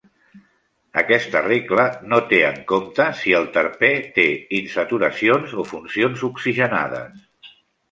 Aquesta regla no té en compte si el terpè té insaturacions o funcions oxigenades.